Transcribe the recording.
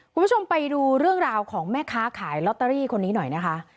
คุณผู้ชมไปดูเรื่องราวของแม่ค้าขายลอตเตอรี่คนนี้หน่อยนะคะ